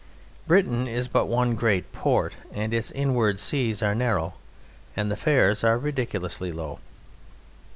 Britain is but one great port, and its inward seas are narrow and the fares are ridiculously low.